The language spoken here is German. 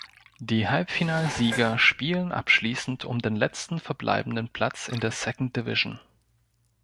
Die Halbfinal-Sieger spielen abschließend um den letzten verbleibenden Platz in der Second Division.